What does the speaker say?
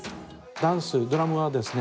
ダンスドラムはですね